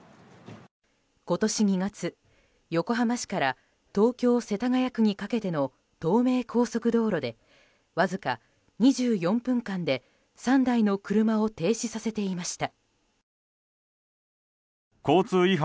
今年２月、横浜市から東京・世田谷区にかけての東名高速道路でわずか２４分間で３台の車を停止させていました。